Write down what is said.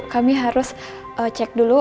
kami harus cek dulu